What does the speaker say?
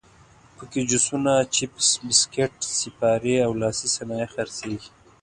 په کې جوسونه، چپس، بسکیټ، سیپارې او لاسي صنایع خرڅېږي.